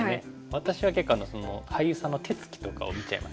私は結構俳優さんの手つきとかを見ちゃいますね。